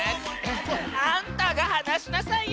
あんたがはなしなさいよ！